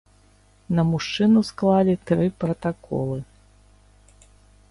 На мужчыну склалі тры пратаколы.